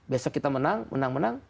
besok kita menang menang menang menang